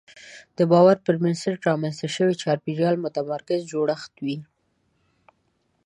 د باور پر بنسټ رامنځته شوی چاپېریال متمرکز جوړښت وي.